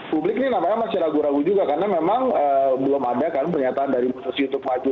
publik ini namanya masih ragu ragu juga karena memang belum ada kan pernyataan dari media sosial itu maju